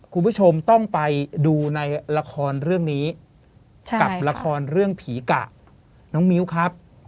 คุณผู้ชมต้องไปดูในละครเรื่องนี้กับละครเรื่องผีกะน้องมิ้วครับ